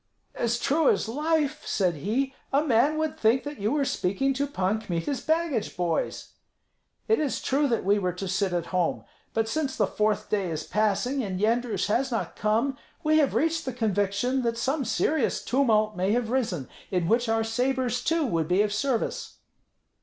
"As true as life," said he, "a man would think that you were speaking to Pan Kmita's baggage boys. It is true that we were to sit at home; but since the fourth day is passing and Yendrus has not come, we have reached the conviction that some serious tumult may have risen, in which our sabres, too, would be of service."